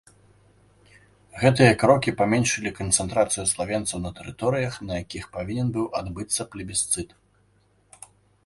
Гэтыя крокі паменшылі канцэнтрацыю славенцаў на тэрыторыях, на якіх павінен быў адбыцца плебісцыт.